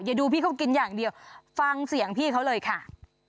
ดูพี่เขากินอย่างเดียวฟังเสียงพี่เขาเลยค่ะ